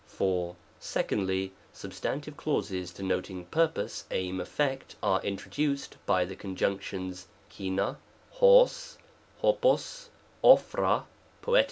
4. Secondly, substantive clauses denoting purpose, aim, effect, are introduced by the conjunctions i'va, g5^, oitcog {o(f)Qa poet.)